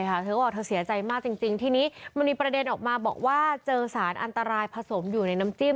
เธอก็บอกเธอเสียใจมากจริงทีนี้มันมีประเด็นออกมาบอกว่าเจอสารอันตรายผสมอยู่ในน้ำจิ้ม